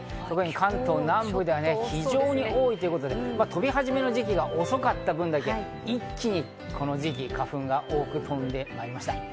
特に関東南部では非常に多いということで、飛び始めの時期が遅かった分だけ、一気にこの時期、花粉が多く飛んでまいりました。